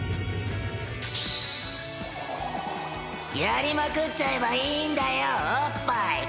やりまくっちゃえばいいんだよおっぱい。